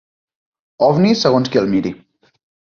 Ovni, segons qui el miri.